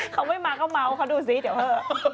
เค้าไม่ม้าก็เม้าก็เม้าเถอะเดี๋ยวเถอะ